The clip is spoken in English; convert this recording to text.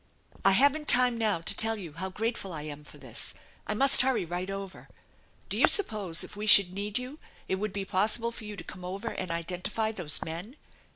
I haven't time now to tell you how grateful I am for this. I must hurry right over. Do you suppose if we should need you it would be possible for you to come over and identify those men